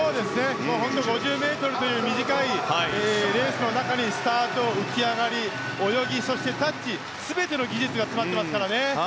５０ｍという短いレースの中にスタート、浮き上がり、泳ぎそしてタッチ、全ての技術が詰まっていますからね。